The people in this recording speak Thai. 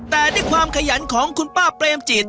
แต่ด้วยความขยันของคุณป้าเปรมจิต